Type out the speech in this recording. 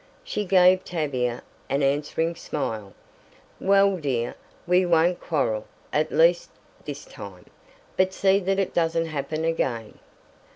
She gave Tavia an answering smile. "Well, dear, we won't quarrel, at least this time. But see that it doesn't happen again."